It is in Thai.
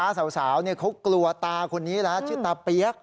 แม่ค้าสาวเขากลัวตาคนนี้นะชื่อตาเปี๊ยก